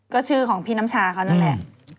ก็ชื่อของพี่น้ำชาเขานั่นแหละ